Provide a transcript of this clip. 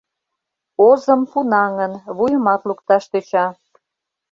Озым пунаҥын, вуйымат лукташ тӧча.